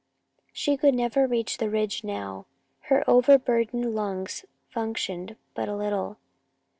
She could never reach the ridge now. Her overburdened lungs functioned but little.